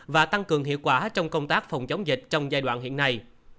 và tăng cường hiệu quả trong công tác phòng chống dịch trong giai đoạn hiện nay